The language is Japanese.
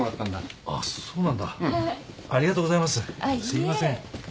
すいません。